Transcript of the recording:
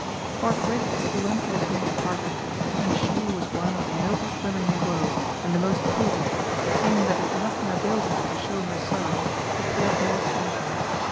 Forthwith he went to the queen's apartment, and she who was one of the noblest women in the world and AMADIS OF GAUL. 105 the most prudent, seeing that it nothing availed her to show her sorrow appeared more tranquil.